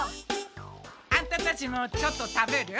アンタたちもちょっと食べる？